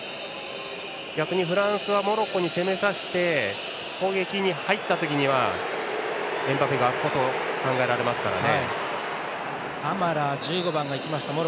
逆にフランスはモロッコに攻めさせて攻撃に入った時にはエムバペが空くことが考えられますからね。